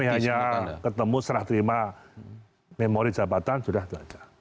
kami hanya ketemu setelah terima memori jabatan sudah itu aja